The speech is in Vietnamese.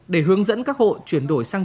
để hướng dẫn các hộ chuyển đổi sang